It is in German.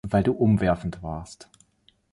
Weil du umwerfend warst.